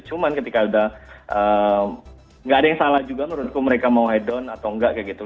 cuman ketika udah gak ada yang salah juga menurutku mereka mau head down atau enggak kayak gitu